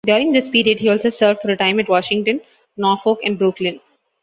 During this period he also served for a time at Washington, Norfolk and Brooklyn.